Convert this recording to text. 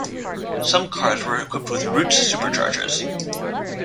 Some cars were equipped with Roots superchargers.